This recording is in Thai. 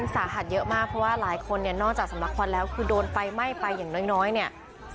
สาหัสเยอะมากเพราะว่าหลายคนเนี่ยนอกจากสำลักควันแล้วคือโดนไฟไหม้ไปอย่างน้อยเนี่ย